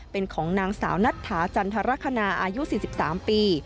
เป็นของนางสาวนัทธาจันทรคณาอายุ๔๓ปี